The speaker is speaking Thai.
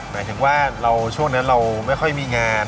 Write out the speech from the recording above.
หมายถึงว่าช่วงนั้นเราไม่ค่อยมีงาน